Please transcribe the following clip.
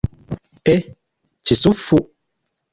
Eeehe kisufu!